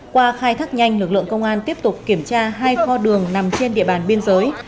qua khai thác nhanh lực lượng công an tiếp tục kiểm tra hai kho đường nằm trên địa bàn biên giới